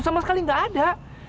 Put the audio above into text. sama sekali gak ada